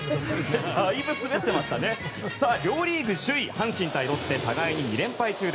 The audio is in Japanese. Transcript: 両リーグ首位阪神対ロッテ、互いに２連敗中。